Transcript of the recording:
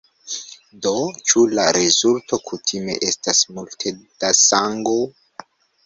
Do ĉu la rezulto kutime estas multe da sango?